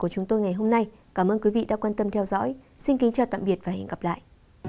cảm ơn quý vị đã theo dõi xin kính chào tạm biệt và hẹn gặp lại